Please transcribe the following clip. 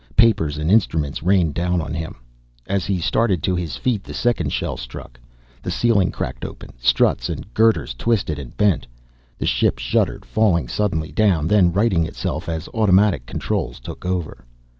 Papers and instruments rained down on him. As he started to his feet the second shell struck. The ceiling cracked open, struts and girders twisted and bent. The ship shuddered, falling suddenly down, then righting itself as automatic controls took over.